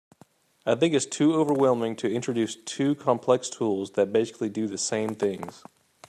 I think it’s too overwhelming to introduce two complex tools that basically do the same things.